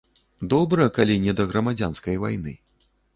Добра, калі не да грамадзянскай вайны.